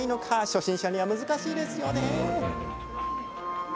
初心者には難しいですよね。